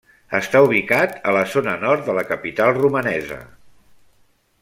Està ubicat a la zona nord de la capital romanesa.